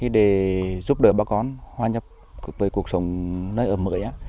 để giúp đỡ bà con hòa nhập với cuộc sống nơi ở mới